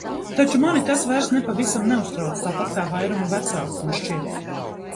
Taču mani tas vairs nepavisam neuztrauc, tāpat kā vairumu vecāku, man šķiet.